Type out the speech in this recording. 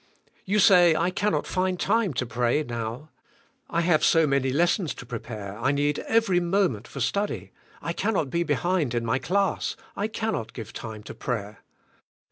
You say I cannot find time to pray now. I have so many lessons to prepare I need every moment for study, I cannot be behind in my class, I cannot gi\Q time to prayer.